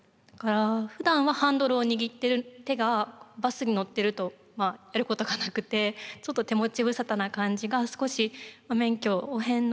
ふだんはハンドルを握ってる手がバスに乗ってるとやることがなくてちょっと手持ち無沙汰な感じが少し免許を返納